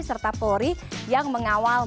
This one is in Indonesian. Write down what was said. serta polri yang mengawal